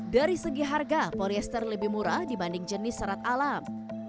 dari segi harga polyester lebih murah dibanding jenis serat alam